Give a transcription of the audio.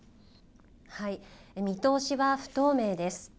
見通しは不透明です。